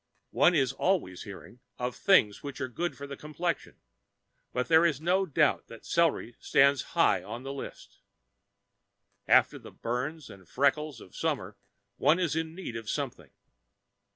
One is always hearing of things which are good for the complexion, but there is no doubt that celery stands high on the list. After the burns and freckles of summer one is in need of something.